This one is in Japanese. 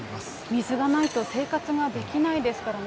水がないと生活ができないですからね。